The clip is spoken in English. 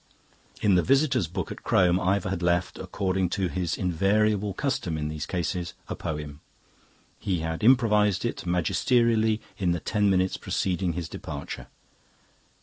In the visitor's book at Crome Ivor had left, according to his invariable custom in these cases, a poem. He had improvised it magisterially in the ten minutes preceding his departure.